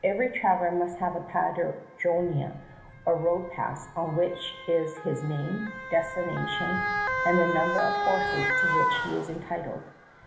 Every traveler must have a paderojnia or road pass on which is his name, destination, and the number of horses to which he is entitled.